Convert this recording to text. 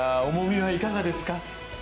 重みはいかがですか？